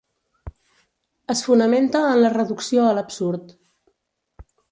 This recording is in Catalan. Es fonamenta en la reducció a l'absurd.